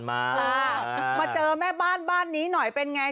มามาเจอแม่บ้านบ้านนี้หน่อยเป็นไง